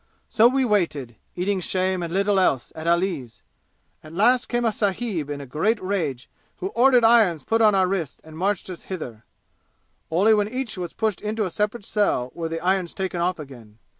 So we waited, eating shame and little else, at Ali's. At last came a sahib in a great rage, who ordered irons put on our wrists and us marched hither. Only when each was pushed into a separate cell were the irons taken off again.